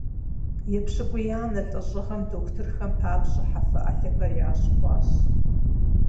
Епщыкӏуиянэ лӏэщӏыгъуэм дохутырхэм папщӏэ хьэфэ ӏэлъэхэр ящӏ хъуащ.